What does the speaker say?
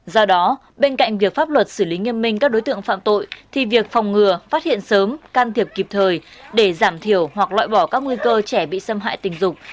do đó bên cạnh việc pháp luật xử lý nghiêm minh các đối tượng phạm tội thì việc phòng ngừa phát hiện sớm can thiệp kịp thời để giảm thiểu hoặc loại bỏ các nguy cơ trẻ bị xâm hại tình dục